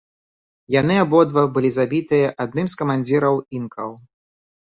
Яны абодва былі забітыя адным з камандзіраў інкаў.